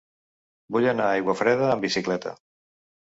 Vull anar a Aiguafreda amb bicicleta.